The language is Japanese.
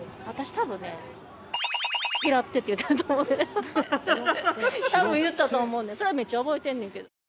多分言ったと思うねんそれはめっちゃ覚えてんねんけど。